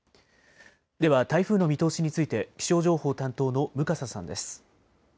では台風の見通しについて気象情報担当の向笠さんです。